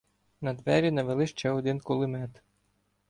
На двері навели ще один кулемет.